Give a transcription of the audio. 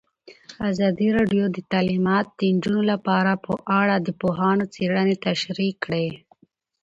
ازادي راډیو د تعلیمات د نجونو لپاره په اړه د پوهانو څېړنې تشریح کړې.